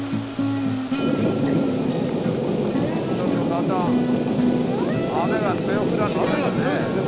だんだん雨が強くなってきましたね。